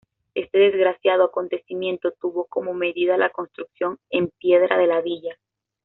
Este desgraciado acontecimiento tuvo como medida la construcción en piedra de la villa.